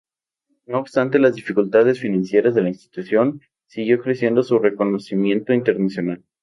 No obstante las dificultades financieras de la Institución, siguió creciendo su reconocimiento internacional.